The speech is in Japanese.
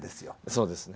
そうですね。